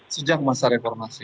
sejak masa reformasi